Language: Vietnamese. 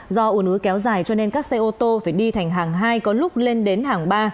do ủ nứ kéo dài cho nên các xe ô tô phải đi thành hàng hai có lúc lên đến hàng ba